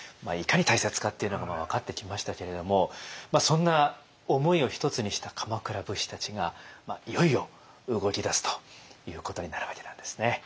いかに大切かっていうのが分かってきましたけれどもまあそんな思いをひとつにした鎌倉武士たちがいよいよ動き出すということになるわけなんですね。